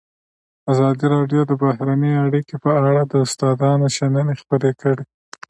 ازادي راډیو د بهرنۍ اړیکې په اړه د استادانو شننې خپرې کړي.